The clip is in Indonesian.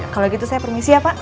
kalau gitu saya permisi ya pak